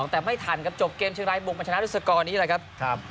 แต่ไม่ทันครับจบเกมเชียงรายบุกมาชนะด้วยสกอร์นี้เลยครับ